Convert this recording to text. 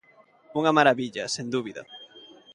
Unha marabilla, sen dúbida.